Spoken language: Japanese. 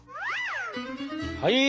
はい！